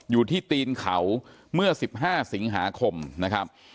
อยู่ที่ตีนเขาเมื่อ๑๕สิงหาคมนะครับ